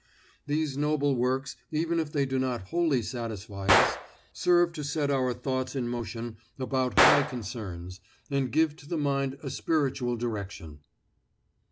These noble works, even if they do not wholly satisfy us, serve to set our thoughts in motion about high concerns, and give to the mind a spiritual direction.